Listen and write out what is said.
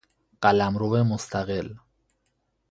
قلمرو مستقل